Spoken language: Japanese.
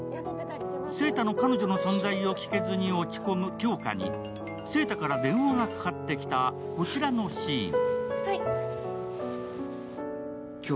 晴太の彼女の存在を聞けずに落ち込む杏花に晴太から電話がかかってきたこちらのシーン。